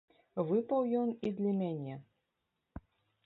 Выпаў ён і для мяне.